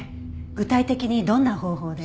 具体的にどんな方法で？